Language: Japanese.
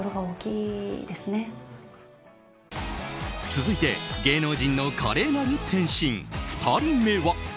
続いて、芸能人の華麗なる転身２人目は。